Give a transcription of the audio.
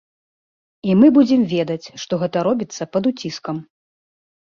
І мы будзем ведаць, што гэта робіцца пад уціскам.